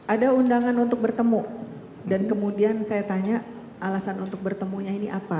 ada undangan untuk bertemu dan kemudian saya tanya alasan untuk bertemunya ini apa